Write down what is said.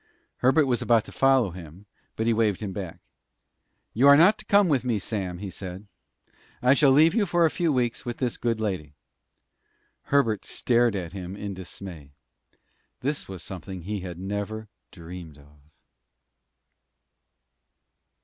Herbert was about to follow him, but he waived him back. "You are not to come with me, Sam," he said. "I shall leave you for a few weeks with this good lady." Herbert stared at him in dismay. This was something he had never dreamed of.